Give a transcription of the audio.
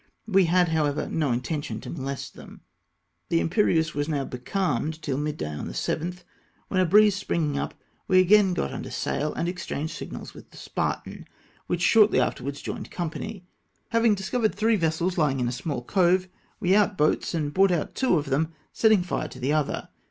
We had, how ever, no intention to molest them. The Tmperieuse was now becalmed till midday on the 7th, when a breeze springing up, we , again got under sail, and exchanged signals with the Spartan, which shortly afterwards joined company. Havmg discovered three vessels lying in a small cove, we out boats, and brought out two of them, setting fire to the other.